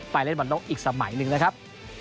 ไปเล่นบรรลงค์อีกสมัยหนึ่งนะครับ